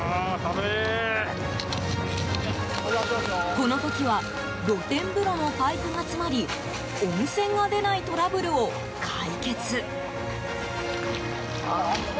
この時は露天風呂のパイプが詰まり温泉が出ないトラブルを解決。